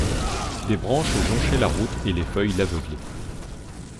Des branches jonchaient la route et les feuilles l’aveuglaient.